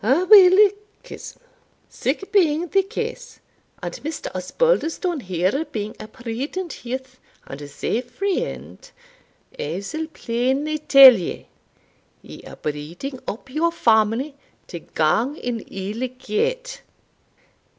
"Aweel, cousin, sic being the case, and Mr. Osbaldistone here being a prudent youth, and a safe friend I'se plainly tell ye, ye are breeding up your family to gang an ill gate."